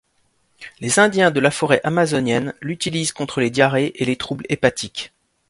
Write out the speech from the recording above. Les Indiens de la forêt amazonienne l'utilisent contre les diarrhées et les troubles hépatiques.